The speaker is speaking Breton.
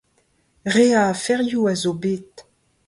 Re a aferioù a zo bet.